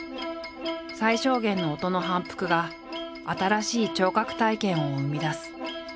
最小限の音の反復が新しい聴覚体験を生み出す。